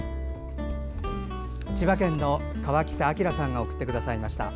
千葉県の河北明さんが送ってくださいました。